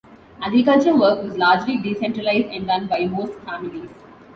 Agriculture work was largely decentralized and done by most families.